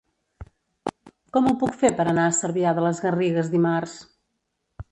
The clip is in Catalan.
Com ho puc fer per anar a Cervià de les Garrigues dimarts?